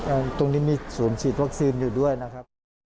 อันนี้เป็นส่วนสิทธิ์วัคซีนนะครับ